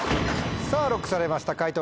さぁＬＯＣＫされました解答